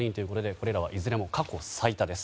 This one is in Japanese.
これらはいずれも過去最多です。